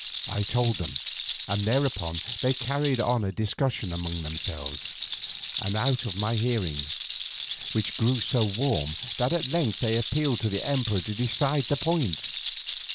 I told them, and thereupon they carried on a discussion among themselves, and out of my hearing, which grew so warm that at length they appealed to the emperor to decide the point.